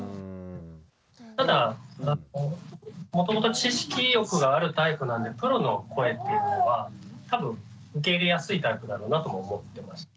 ただもともと知識欲があるタイプなんでプロの声っていうのは多分受け入れやすいタイプだろうなとも思ってましたね。